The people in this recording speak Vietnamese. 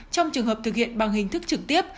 trong trường hợp thực hiện bằng hình thức trực tiếp